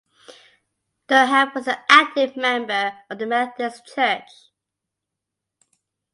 Durham was an active member of the Methodist Church.